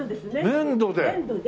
粘土で。